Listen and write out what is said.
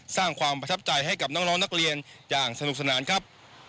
สร้างความประทับใจให้กับน้องนักเรียนอย่างสนุกสนานครับ